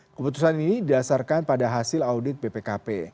keputusan ini didasarkan pada hasil audit bpkp